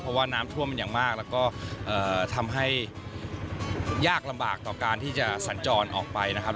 เพราะว่าน้ำท่วมมันอย่างมากแล้วก็ทำให้ยากลำบากต่อการที่จะสัญจรออกไปนะครับ